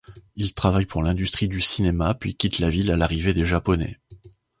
Il travaille pour l'industrie du cinéma puis quitte la ville à l'arrivée des Japonais.